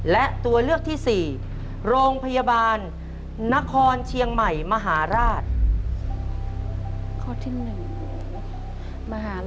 และตัวเลือกที่สี่โรงพยาบาลนครเชียงใหม่มหาราช